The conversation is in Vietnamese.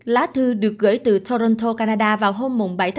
lá thư được gửi từ toronto canada vào hôm bảy một